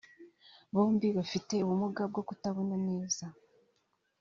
bombi bafite ubumuga bwo kutabona neza